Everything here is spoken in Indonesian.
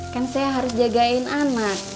kan saya harus jagain anak